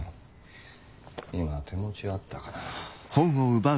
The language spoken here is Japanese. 今手持ちあったかな？